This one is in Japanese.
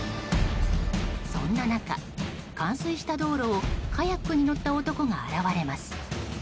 そんな中、冠水した道路をカヤックに乗った男が現れます。